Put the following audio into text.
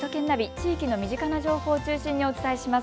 地域の身近な情報を中心にお伝えします。